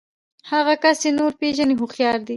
هغه کس چې نور پېژني هوښيار دی.